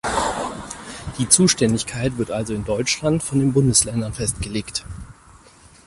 Die Zuständigkeit wird also in Deutschland von den Bundesländern festgelegt.